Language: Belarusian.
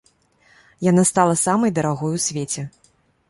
Яна стала самай дарагой у свеце.